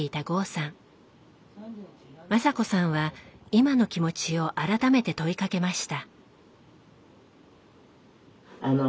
雅子さんは今の気持ちを改めて問いかけました。